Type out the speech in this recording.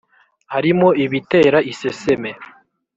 harimo ibitera iseseme,